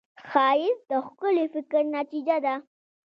ښایست د ښکلي فکر نتیجه ده